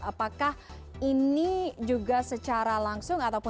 apakah ini juga secara langsung ataupun tidak langsung